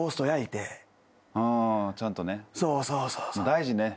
大事ね。